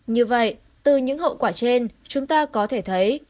như vậy từ những hậu quả trên chúng ta có thể thấy